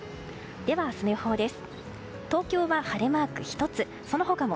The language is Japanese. では、明日の予報です。